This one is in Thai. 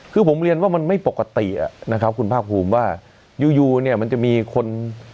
คือผมเรียนว่ามันไม่ปกตินะครับคุณภาคภูมิว่าอยู่อยู่เนี่ยมันจะมีคน